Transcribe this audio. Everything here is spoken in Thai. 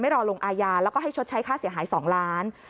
รอลงอาญาแล้วก็ให้ชดใช้ค่าเสียหาย๒ล้าน